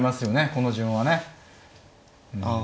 この順はね。あ。